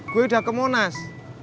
gue udah ke monas